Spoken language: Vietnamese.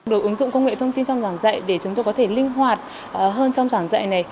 được ứng dụng công nghệ thông tin trong giảng dạy để chúng tôi có thể linh hoạt hơn trong giảng dạy này